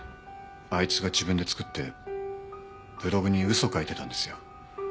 あいつが自分で作ってブログに嘘を書いてたんですよ。